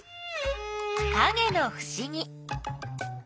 かげのふしぎ。